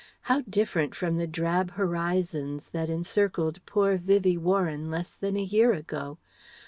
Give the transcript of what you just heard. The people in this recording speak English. How different from the drab horizons that encircled poor Vivie Warren less than a year ago!